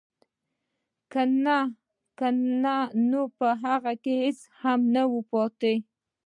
که نه نو په هغه کې هېڅ هم نه وو پاتې